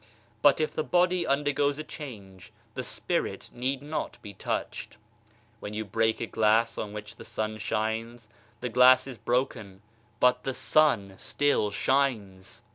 But if the body undergoes a change, the Spirit need not be touched. When you break a glass on which the sun shines, the glass is broken, but the sun still shines